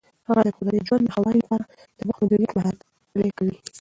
هغه د کورني ژوند د ښه والي لپاره د وخت مدیریت مهارت پلي کوي.